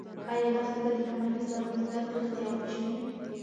ایا لښتې به د لمنې زرغونېدل په رښتیا وپېژني؟